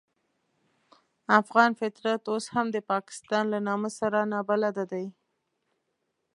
افغان فطرت اوس هم د پاکستان له نامه سره نابلده دی.